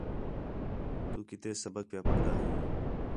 تُو کَِتّے سبق پیا پڑھدا ہیں